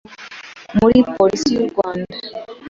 muri Polisi y’u Rwanda,